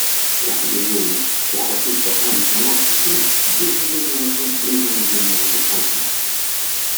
Как безумный, ухватился он за нож, и безвинная кровь брызнула ему в очи